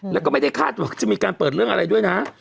แล้วก็ไม่ได้คาดว่าจะมีการเปิดเรื่องอะไรด้วยนะ